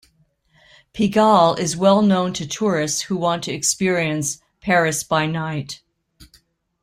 Pigalle is well known to tourists who want to experience "Paris by night".